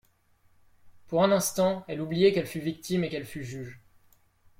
Pour un instant, elle oubliait qu’elle fût victime et qu’elle fût juge.